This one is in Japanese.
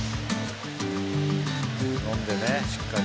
水飲んでねしっかり。